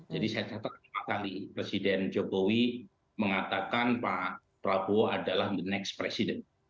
jadi saya catat empat kali presiden jokowi mengatakan pak prabowo adalah the next president